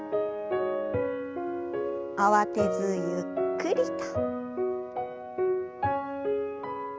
慌てずゆっくりと。